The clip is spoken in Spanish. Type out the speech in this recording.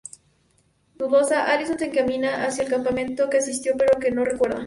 Dudosa, Allison se encamina hacia el campamento que asistió pero que no recuerda.